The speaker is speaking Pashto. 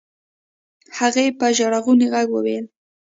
هغې په ژړغوني غږ وويل.